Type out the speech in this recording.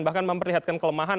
bahkan memperlihatkan kelemahan